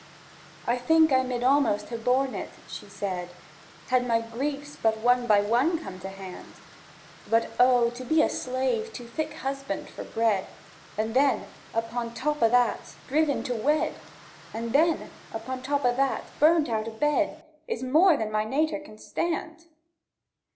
"I think I mid almost ha' borne it," she said, "Had my griefs one by one come to hand; But O, to be slave to thik husbird for bread, And then, upon top o' that, driven to wed, And then, upon top o' that, burnt out o' bed, Is more than my nater can stand!"